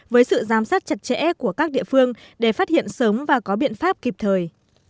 với sự giám sát chặt chẽ của các địa phương để phát hiện sớm và có biện pháp kịp thời